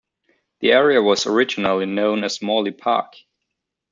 The area was originally known as Morley Park.